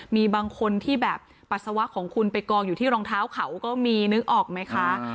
มีบางคนที่แบบปัสสาวะของคุณไปกองอยู่ที่รองเท้าเขาก็มีนึกออกไหมคะ